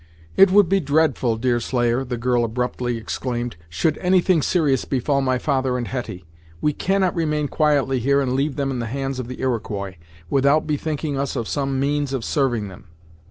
"It would be dreadful, Deerslayer," the girl abruptly exclaimed, "should anything serious befall my father and Hetty! We cannot remain quietly here and leave them in the hands of the Iroquois, without bethinking us of some means of serving them."